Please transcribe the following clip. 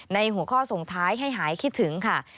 ในหัวข้อส่งท้ายให้หายคิดถึงค่ะ